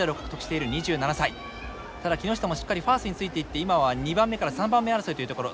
ただ木下もしっかりファースについていって今は２番目から３番目争いというところ。